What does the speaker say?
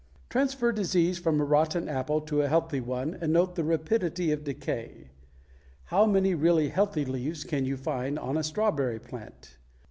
Transfer disease from a rotten apple to a healthy one and note the rapidity of decay. How many really healthy leaves can you find on a strawberry plant?